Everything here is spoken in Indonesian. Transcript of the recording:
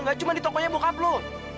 gak cuma di tokonya bokap lu